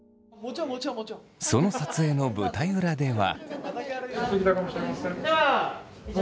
その撮影の舞台裏では。